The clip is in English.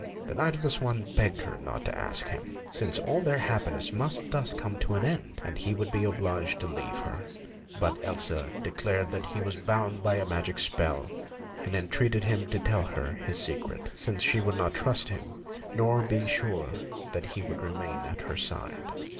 The Knight of the Swan begged her not to ask him, since all their happiness must thus come to an end, and he would be obliged to leave her; but Elsa declared that he was bound by a magic spell, and entreated him to tell her his secret, since she could not trust in him nor be sure that he would remain at her side.